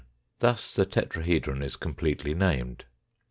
Thus the tetrahedron is completely named.